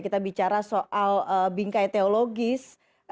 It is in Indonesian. kita bicara soal bingkai teologis